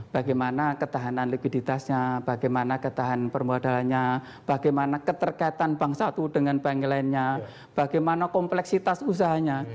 bagaimana ketahanan likuiditasnya bagaimana ketahanan permodalannya bagaimana keterkaitan bank satu dengan bank lainnya bagaimana kompleksitas usahanya